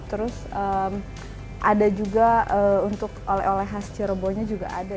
terus ada juga untuk oleh oleh khas cirebonnya juga ada